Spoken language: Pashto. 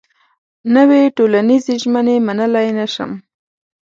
نوې ټولنيزې ژمنې منلای نه شم.